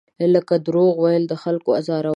لکه دروغ ویل، د خلکو ازارول.